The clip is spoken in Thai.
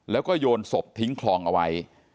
แล้วก็โยนศพทิ้งคลองเอาไว้